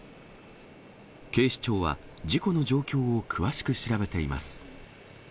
警視庁は、事故の状況を詳しく調べています。